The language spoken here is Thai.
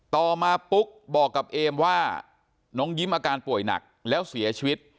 ต่อมาปุ๊กบอกกับเอมว่าน้องยิ้มอาการป่วยหนักแล้วเสียชีวิต